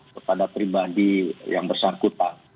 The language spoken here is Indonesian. kepada pribadi yang bersangkutan